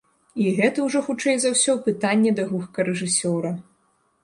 І гэта ўжо, хутчэй за ўсё, пытанне да гукарэжысёра.